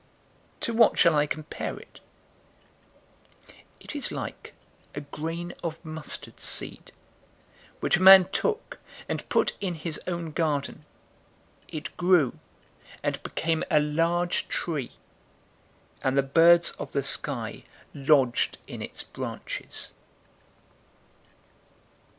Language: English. To what shall I compare it? 013:019 It is like a grain of mustard seed, which a man took, and put in his own garden. It grew, and became a large tree, and the birds of the sky lodged in its branches."